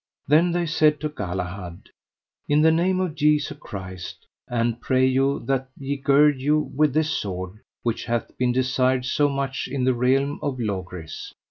Then they said to Galahad: In the name of Jesu Christ, and pray you that ye gird you with this sword which hath been desired so much in the realm of Logris.